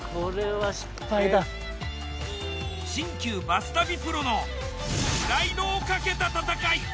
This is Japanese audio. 新旧バス旅プロのプライドをかけた戦い。